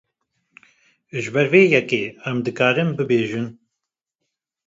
Ji ber vê yekê, em dikarin bibêjin.